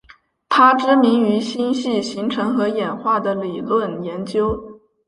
她知名于星系形成和演化的理论研究。